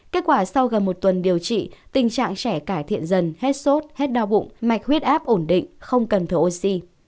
kết quả sau gần một tuần điều trị tình trạng trẻ cải thiện dần hết sốt hết đau bụng mạch huyết áp ổn định không cần thở oxy